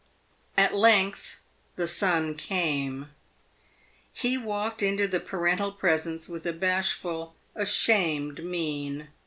At length the son came. He walked into the parental presence with a bashful, ashamed mien.